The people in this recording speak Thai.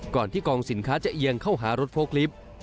ก่อนที่กองสินค้าจะเอียงเข้าหารถโฟล์ลิฟต์